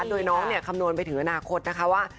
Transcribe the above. โดยน้องคำนวณไปถึงอนาคตนะคะว่า